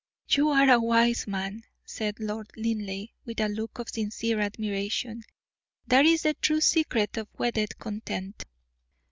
"You are a wise man," said Lord Linleigh, with a look of sincere admiration; "that is the true secret of wedded content."